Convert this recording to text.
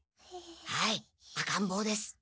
はい赤んぼうです。